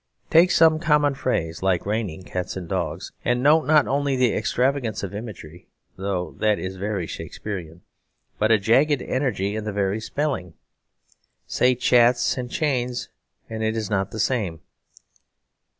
Take some common phrase like "raining cats and dogs," and note not only the extravagance of imagery (though that is very Shakespearean), but a jagged energy in the very spelling. Say "chats" and "chiens" and it is not the same.